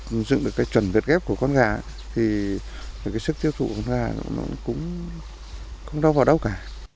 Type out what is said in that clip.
xây dựng được cái chuẩn vượt ghép của con gà thì cái sức tiêu thụ của con gà cũng không đâu vào đâu cả